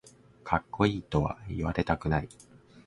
かっこいいとは言われたくない